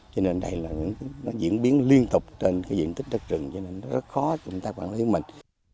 cho nên là nó diễn biến liên tục trên cái diện tích đất rừng cho nên nó rất khó cho người ta quản lý mình